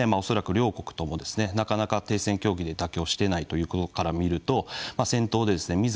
恐らく両国ともなかなか停戦協議で妥協してないということから見ると戦闘でですね